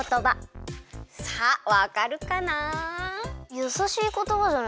やさしいことばじゃないですか？